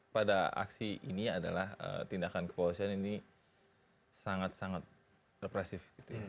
pada aksi ini adalah tindakan kepolisian ini sangat sangat represif